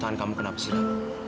tahan kamu kenapa sila